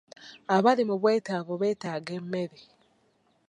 Abali mu bwetaavu beetaaga emmere.